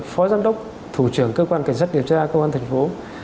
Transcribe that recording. phó giám đốc thủ trưởng cơ quan cảnh sát điều tra công an thành phố